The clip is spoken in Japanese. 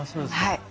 はい。